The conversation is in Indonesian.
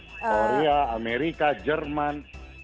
korea amerika jerman